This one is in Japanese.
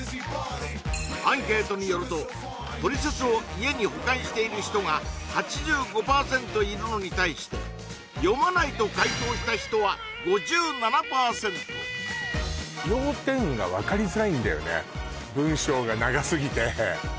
アンケートによるとトリセツを家に保管している人が８５％いるのに対して読まないと回答した人は５７％って思ったりします